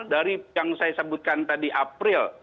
dari yang saya sebutkan tadi april